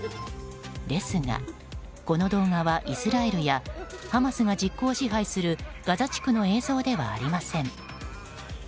ですが、この動画はイスラエルやハマスが実効支配するガザ地区の映像ではありません。